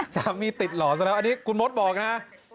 ชั้นมีติดหล่อซักแล้วคุณม็อตบอกนะ